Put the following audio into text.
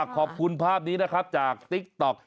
ขอบคุณภาพนี้นะครับจากติ๊กต๊อก